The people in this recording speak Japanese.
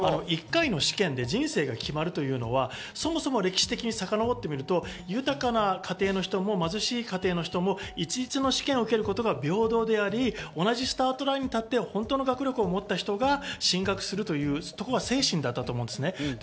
１回の試験で人生が決まるというのは、そもそも歴史的にさかのぼってみると豊かな家庭な人も貧しい家庭の人も一律の試験を受けることが平等であり、同じスタートラインに立って、本当の学力を持った人が進学するという精神だったと思います。